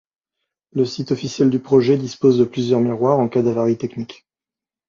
Le site officiel du projet dispose de plusieurs miroirs en cas d’avarie technique.